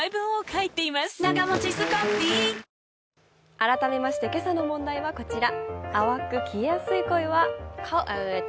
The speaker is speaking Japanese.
改めまして今朝の問題はこちら。